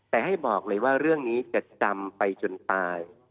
แต่ให้บอกเลยว่าเรื่องนี้จะจำไปจนตาย